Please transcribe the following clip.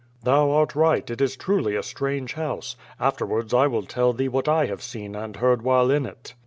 "Thou art right, it is truly a strange house. Afterwards I will tell thee what I have seen and heard while in it."